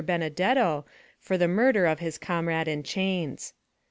Benedetto for the murder of his comrade in chains.